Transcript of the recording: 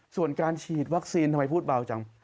ส่วนการฉีดวัคซีนทำไมพูดเบาจัง